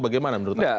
bagaimana menurut anda